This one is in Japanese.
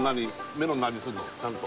メロンの味するのちゃんと？